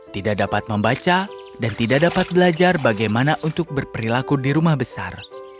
tidak dapat membaca dan tidak dapat belajar bagaimana untuk berperilaku di rumah besar